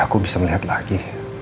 aku bisa melihat lagi